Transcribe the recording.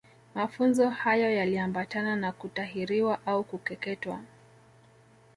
Mafunzo hayo yaliambatana na kutahiriwa au kukeketwa